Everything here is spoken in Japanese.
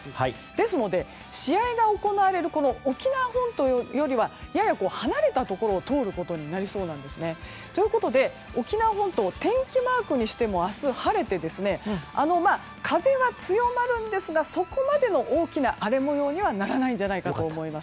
ですので、試合が行われる沖縄本島よりはやや離れたところを通ることになりそうなんですね。ということで沖縄本島を天気マークにしても明日、晴れて風は強まるんですがそこまでの大きな荒れ模様にはならないんじゃないかと思います。